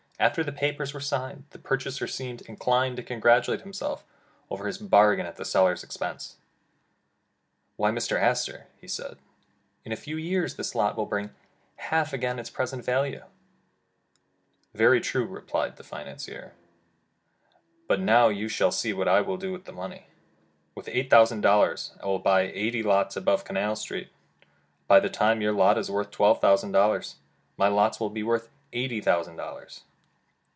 After the papers were signed, the purchaser seemed inclined to congratulate himself over his bargain at the seller's expense. ''Why, Mr. Astor," he said, ''in a few years this lot will bring half again its present value. f} 237 The Original John Jacob Astor ( I Very true," replied the financier, ''but now you shall see what I will do with the money. With eight thousand dollars, I will buy eighty lots above Canal Street. By the time your lot is worth twelve thousand dollars, my lots will be worth eighty thousand dollars.